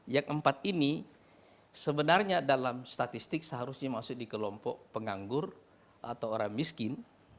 yang empat ini sebenarnya dalam statistik seharusnya masuk di kelompok penganggur atau orang miskin